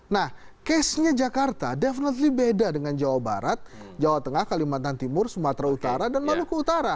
nah case nya jakarta developly beda dengan jawa barat jawa tengah kalimantan timur sumatera utara dan maluku utara